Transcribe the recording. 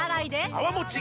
泡もち